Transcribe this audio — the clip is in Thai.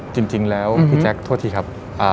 จริงแล้วพี่แจ๊คโทษทีครับ